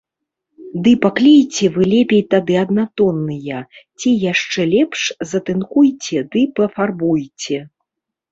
Ды паклейце вы лепей тады аднатонныя, ці яшчэ лепш, затынкуйце ды пафарбуйце!